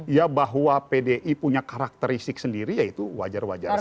ya bahwa pdi punya karakteristik sendiri ya itu wajar wajar saja